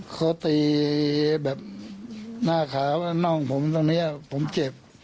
เขาตีแบบหน้าขาวแล้วน่องผมตรงนี้ผมเจ็บ